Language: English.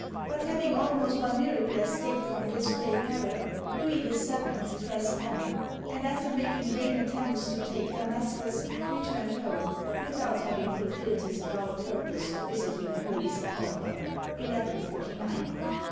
But, having almost by miracle escaped from this great peril, Louis VII. pressed on, and after making vain attempts to take Damas'cus, returned home, without having fulfilled his avowed purpose of visiting the Holy Sepulcher (1149).